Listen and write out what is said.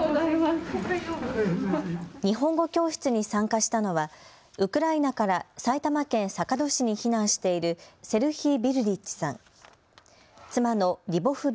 日本語教室に参加したのはウクライナから埼玉県坂戸市に避難しているセルヒィ・ヴィルリッチさん、妻のリボフ・